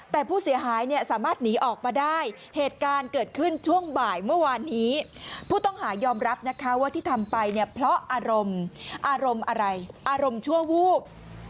แต่ผู้เสียหายเนี่ยสามารถหนีออกมาได้เหตุการณ์เกิดขึ้นช่วงบ่ายเมื่อวานนี้ผู้ต้องหายอมรับนะคะว่าที่ทำไปเนี่ยเพราะอารมณ์อารมณ์อะไรอารมณ์ชั่ววูบ